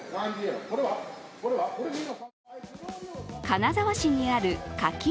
金沢市にある花き